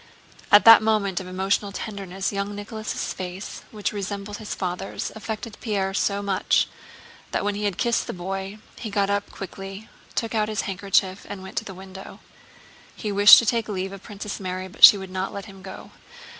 At that moment of emotional tenderness young Nicholas' face, which resembled his father's, affected Pierre so much that when he had kissed the boy he got up quickly, took out his handkerchief, and went to the window. He wished to take leave of Princess Mary, but she would not let him go.